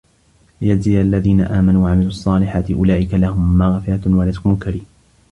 لِيَجزِيَ الَّذينَ آمَنوا وَعَمِلُوا الصّالِحاتِ أُولئِكَ لَهُم مَغفِرَةٌ وَرِزقٌ كَريمٌ